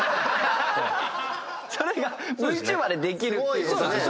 それがＶＴｕｂｅｒでできるっていう。